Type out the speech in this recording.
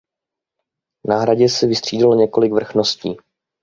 Na hradě se vystřídalo několik vrchností.